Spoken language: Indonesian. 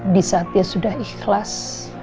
di saat dia sudah ikhlas